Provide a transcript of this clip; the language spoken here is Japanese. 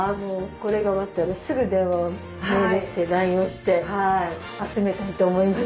これが終わったらすぐ電話をメールしてラインをして集めたいと思います。